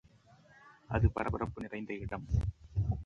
அது பரபரப்பு நிறைந்த இடம்.